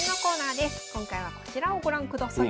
今回はこちらをご覧ください。